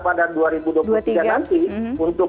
pada dua ribu dua puluh tiga nanti untuk